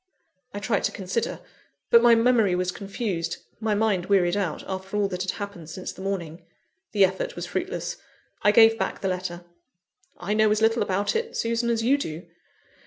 I tried to consider; but my memory was confused, my mind wearied out, after all that had happened since the morning. The effort was fruitless: I gave back the letter. "I know as little about it, Susan, as you do."